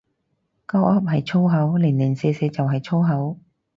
鳩噏係粗口，零零舍舍就係粗口